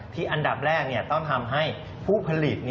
อันดับแรกต้องทำให้ผู้ผลิต